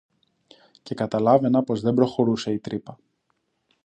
Και καταλάβαινα πως δεν προχωρούσε η τρύπα